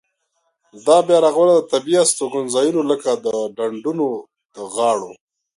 دا بیا رغونه د طبیعي استوګنځایونو لکه د ډنډونو د غاړو.